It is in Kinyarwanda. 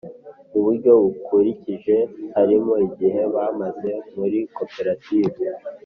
mu buryo bukurikije harimo igihe bamaze muri koperative